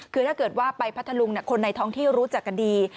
คือถ้าเกิดว่าไปพัทธลุงคนในท้องที่รู้จักกันดี